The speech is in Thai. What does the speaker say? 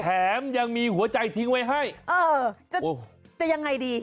แถมยังมีหัวใจทิ้งไว้ให้เออจะยังไงดี